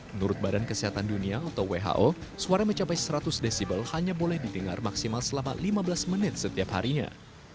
menurut badan kesehatan dunia atau who suara mencapai seratus decibel hanya boleh didengar maksimal selama lima belas menit setiap harinya